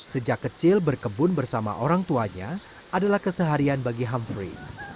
sejak kecil berkebun bersama orang tuanya adalah keseharian bagi hamfri